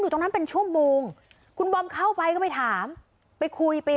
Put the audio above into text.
ไม่อยากให้แม่เป็นอะไรไปแล้วนอนร้องไห้แท่ทุกคืน